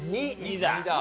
２だ。